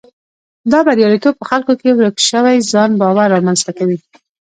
دا بریالیتوب په خلکو کې ورک شوی ځان باور رامنځته کوي.